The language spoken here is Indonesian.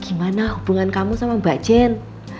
gimana hubungan kamu sama mbak jen